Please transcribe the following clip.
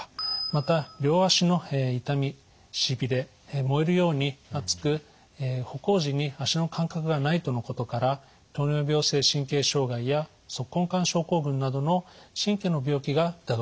また両足の痛みしびれ燃えるように熱く歩行時に足の感覚がないとのことから糖尿病性神経障害や足根管症候群などの神経の病気が疑われます。